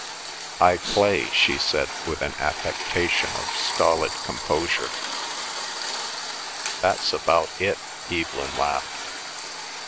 "I play," she said with an affection of stolid composure. "That's about it!" Evelyn laughed.